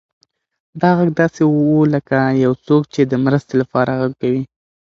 دا غږ داسې و لکه یو څوک چې د مرستې لپاره غږ کوي.